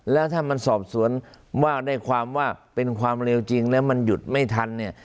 แล้วถ้ามันสอบสวนว่าได้ความว่าเป็นความเร็วจริงแล้วมันหยุดไม่ทันเนี่ย